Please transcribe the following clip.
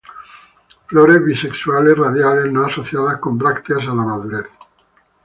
Flores bisexuales, radiales, no asociadas con brácteas a la madurez.